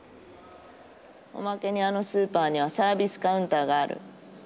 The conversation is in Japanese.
おまけにあのスーパーにはサービスカウンターがある。